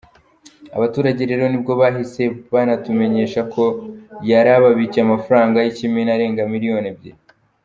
Abaturage rero ni bwo bahise banatumenyesha ko yarababikiye amafaranga y’ikimina arenga miliyoni ebyiri.